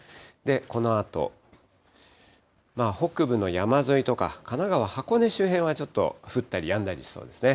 このあと、北部の山沿いとか神奈川・箱根周辺はちょっと降ったりやんだりしそうですね。